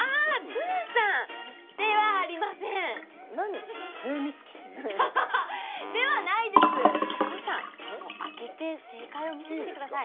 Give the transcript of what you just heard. プーさんではありませんではないです中尾さん開けて正解を見てみてください